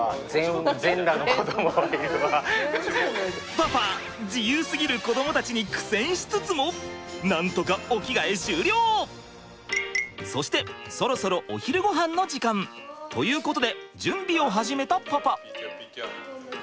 パパ自由すぎる子どもたちに苦戦しつつもなんとかそしてそろそろお昼ごはんの時間。ということで準備を始めたパパ。